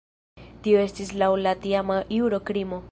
Tio estis laŭ la tiama juro krimo.